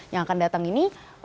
yang akan datang ini